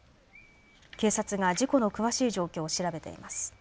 警察が事故の詳しい状況を調べています。